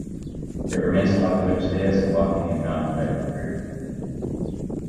It remains popular today as a walking and mountain biking route.